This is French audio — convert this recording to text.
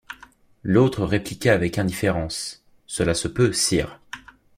L’autre répliqua avec indifférence: — Cela se peut, sire.